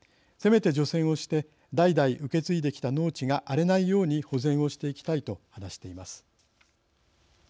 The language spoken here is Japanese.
せめて除染をして代々受け継いできた農地が荒れないように保全をしていきたい」と話しています。